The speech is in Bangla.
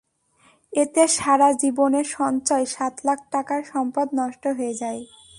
এতে সারা জীবনের সঞ্চয় সাত লাখ টাকার সম্পদ নষ্ট হয়ে যায়।